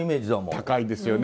高いですよね。